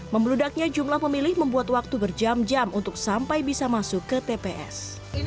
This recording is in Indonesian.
membeludaknya jumlah pemilih membuat waktu berjam jam untuk sampai bisa masuk ke tps